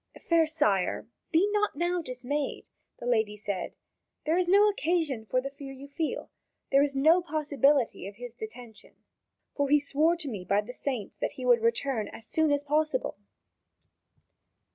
"Fair sire, be not now dismayed," the lady said; "there is no occasion for the fear you feel. There is no possibility of his detention, for he swore to me by the saints that he would return as soon as possible."